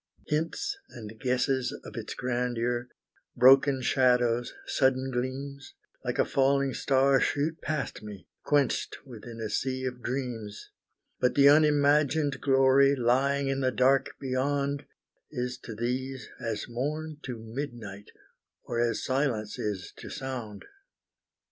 Hints and guesses of its grandeur, broken shadows, sudden gleams, Like a falling star shoot past me, quenched within a sea of dreams, But the unimagined glory lying in the dark beyond, Is to these as morn to midnight, or as silence is to sound.